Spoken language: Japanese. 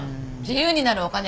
自由になるお金。